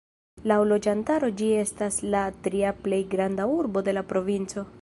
Laŭ loĝantaro ĝi estas la tria plej granda urbo de la provinco.